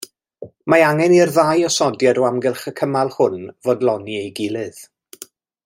Mae angen i'r ddau osodiad o amgylch y cymal hwn fodloni ei gilydd.